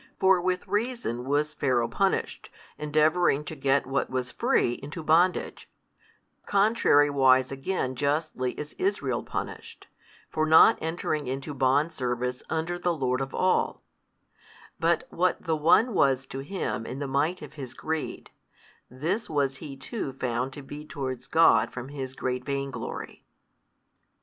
For with reason was Pharaoh punished, endeavouring to get what was free into bondage: contrariwise again justly is Israel punished, for not entering into bond service under the Lord of all: but what the one was to him in the might of his greed, this was he too found to be towards God from his great vain glory.